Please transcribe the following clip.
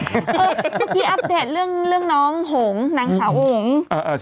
เมื่อกี้อัปเดตเรื่องน้องหงนางสาวหง